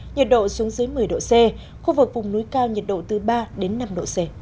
nhiệt độ xuống dưới một mươi độ c khu vực vùng núi cao nhiệt độ từ ba đến năm độ c